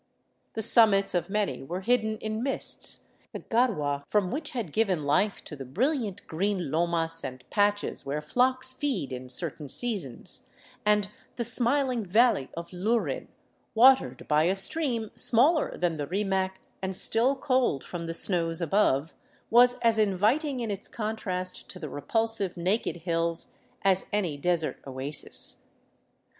The summits of many were hidden in mists, the garua from which had given life to the brilliant green lomas and patches where flocks feed in certain seasons ; and the smil ing valley of Lurin, watered by a stream smaller than the Rimac and still cold from the snows above, was as inviting in its contrast to the repulsive, naked hills as any desert oasis.